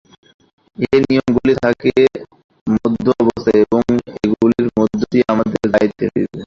এই নিয়মগুলি থাকে মধ্য অবস্থায় এবং এগুলির মধ্য দিয়াই আমাদের যাইতে হইবে।